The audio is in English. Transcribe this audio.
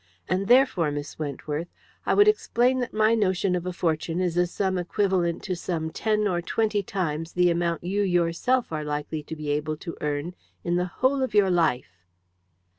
And therefore Miss Wentworth, I would explain that my notion of a fortune is a sum equivalent to some ten or twenty times the amount you yourself are likely to be able to earn in the whole of your life."